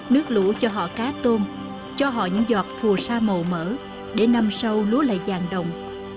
nước lũ cho họ cá tôm cho họ những giọt phù sa màu mỡ để năm sau lũ lại dàn đồng